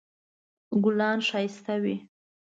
ګلان ښایسته وي